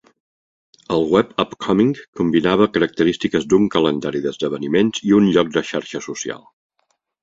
El web Upcoming combinava característiques d'un calendari d'esdeveniments i un lloc de xarxa social.